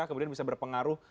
kemudian bisa berpengaruh